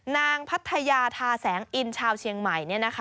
นางพัทยาทาแสงอินชาวเชียงใหม่เนี่ยนะคะ